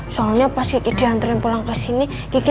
soalnya pas kiki diantriin pulang kesini dia udah berpikir waduh